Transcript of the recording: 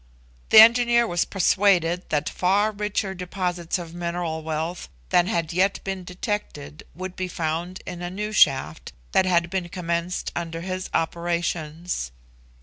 The engineer was persuaded that far richer deposits of mineral wealth than had yet been detected, would be found in a new shaft that had been commenced under his operations.